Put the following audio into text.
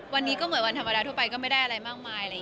วันนี้ก็เหมือนวันธรรมดาทั่วไปก็ไม่ได้อะไรมากมาย